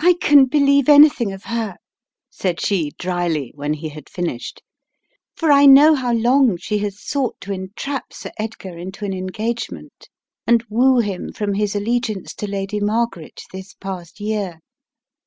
"I can believe anything of her," said she, dryly, when he had finished, "for I know how long she has sought to entrap Sir Edgar into an engagement and woo him from his allegiance to Lady Margaret this past year.